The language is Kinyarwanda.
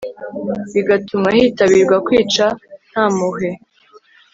bigatuma hitabirwa kwica nta mpuhwe